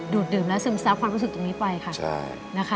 ดดื่มและซึมซับความรู้สึกตรงนี้ไปค่ะนะคะ